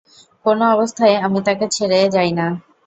কোন অবস্থায় আমি তাঁকে ছেড়ে যাই না।